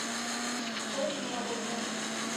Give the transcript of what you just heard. Hûn naborin.